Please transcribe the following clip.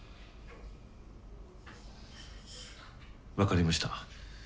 分かりました。